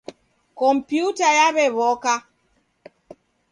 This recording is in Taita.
Kompyuta yaw'ew'oka.